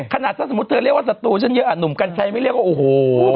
ขนาดฉะนั้นสมมติเธอเรียกว่าสตูเช่นโน่มกันใช้ไม่ได้เรียกว่าโอ้โม